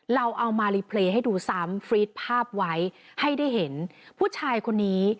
เราเอามารีเพลย์ให้ดูซ้ำฟรีดภาพไว้ให้ได้เห็นผู้ชายคนนี้